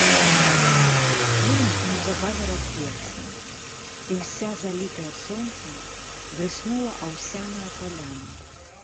Ельнік неўзабаве разбегся, і, уся залітая сонцам, бліснула аўсяная паляна.